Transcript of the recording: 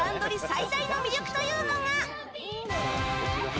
最大の魅力というのが。